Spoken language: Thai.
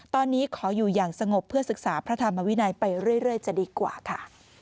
ตอนนี้ขออยู่อย่างสงบเพื่อศึกษาพระธรรมวินัยไปเรื่อยจะดีกว่าค่ะ